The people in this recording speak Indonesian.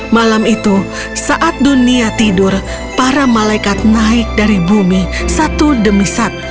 malam itu saat dunia tidur para malaikat naik dari bumi satu demi satu